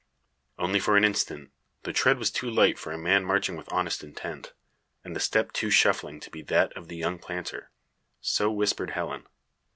Only for an instant. The tread was too light for a man marching with honest intent, and the step too shuffling to be that of the young planter. So whispered Helen.